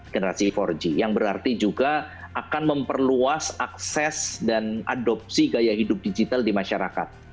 generasi empat g yang berarti juga akan memperluas akses dan adopsi gaya hidup digital di masyarakat